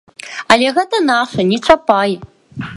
Але гэта наша, не чапай!